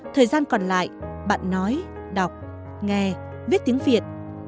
thời gian còn lại bạn nói đọc nghe viết tiếng việt